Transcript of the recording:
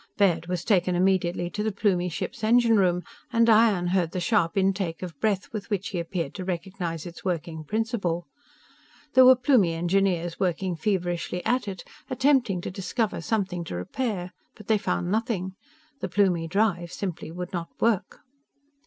Baird was taken immediately to the Plumie ship's engine room, and Diane heard the sharp intake of breath with which he appeared to recognize its working principle. There were Plumie engineers working feverishly at it, attempting to discover something to repair. But they found nothing. The Plumie drive simply would not work.